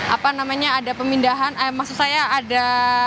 apa namanya ada pemindahan maksud saya ada